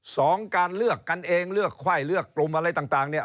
สองการเลือกกันเองเลือกไข้เลือกกลุ่มอะไรต่างเนี่ย